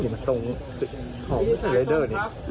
ของไลเดอร์